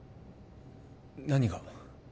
何が？